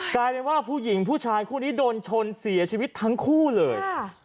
กลายเป็นว่าผู้หญิงผู้ชายคู่นี้โดนชนเสียชีวิตทั้งคู่เลย